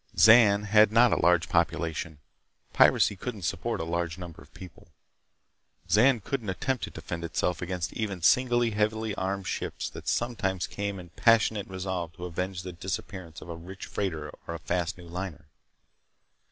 Zan had not a large population. Piracy couldn't support a large number of people. Zan couldn't attempt to defend itself against even single heavily armed ships that sometimes came in passionate resolve to avenge the disappearance of a rich freighter or a fast new liner.